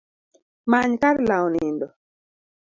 Many kar lawo nindo